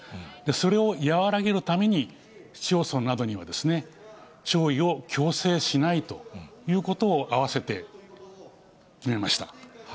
それを和らげるために、市町村などには弔意を強制しないということを併せて決めました。